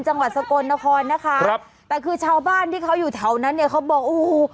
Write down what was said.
จังหวัดสกลนครนะคะครับแต่คือชาวบ้านที่เขาอยู่แถวนั้นเนี่ยเขาบอกโอ้โห